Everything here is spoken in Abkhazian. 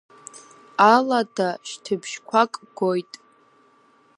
Алада шьҭыбжьқәак гоит…